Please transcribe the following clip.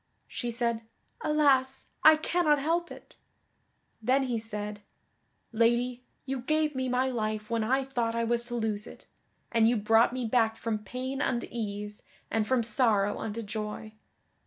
She said, "Alas I cannot help it!" Then he said: "Lady, you gave me my life when I thought I was to lose it, and you brought me back from pain unto ease, and from sorrow unto joy.